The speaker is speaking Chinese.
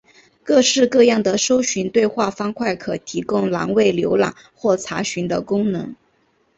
各式各样的搜寻对话方块可提供栏位浏览或查询的功能。